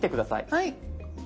はい。